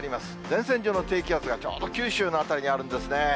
前線上の低気圧が、ちょうど九州の辺りにあるんですね。